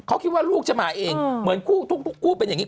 เขาคิดว่าลูกจะมาเองเหมือนคู่ทุกคู่เป็นอย่างนี้